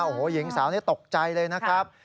โอ้โหหญิงสาวนี้ตกใจเลยนะครับ